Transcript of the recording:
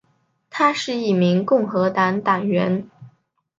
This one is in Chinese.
她是一名共和党党员。